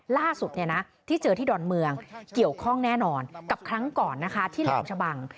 ล่าสุดที่เจอที่ดอนเมืองเกี่ยวข้องแน่นอนกับครั้งก่อนนะคะที่แหลมชะบัง